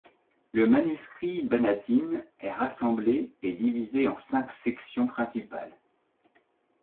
Le manuscrit Bannatyne est rassemblé et divisé en cinq sections principales.